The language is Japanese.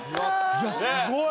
いやすごい。